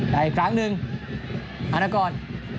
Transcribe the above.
แต่อีกครั้งหนึ่งอาณากร